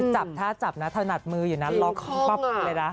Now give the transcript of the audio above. จับน่ะน่ารักทำเข่ามือนะขอปาดเลยนะ